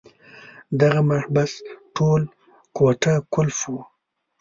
دغه محبس ټول کوټه قلف وو.